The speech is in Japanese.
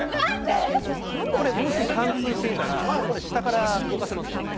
もし貫通していたら、これ下から動かせますよね。